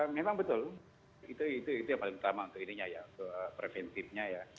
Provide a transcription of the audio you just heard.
memang betul itu yang paling utama untuk ininya ya preventifnya ya